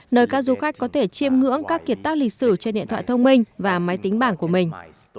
nơi các du khách có thể chiêm ngưỡng các kiệt tác lịch sử trên điện thoại thông minh và máy tính bảng của mình